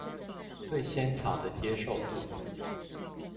對仙草的接受度